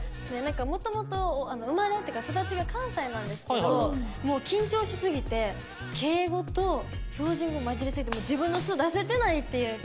元々生まれというか育ちが関西なんですけどもう緊張しすぎて敬語と標準語交ざりすぎて自分の素出せてないっていうか。